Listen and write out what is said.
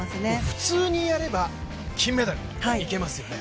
普通にやれば金メダル、いけますよね。